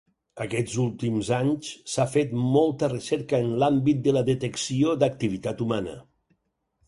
Aquests últims anys s'ha fet molta recerca en l'àmbit de la detecció d'activitat humana.